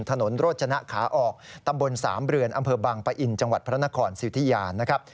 ถนนโรจนะขาออกตำบลสามเรือนอำเภอบางปะอินจังหวัดพระนครสิทธิยานะครับ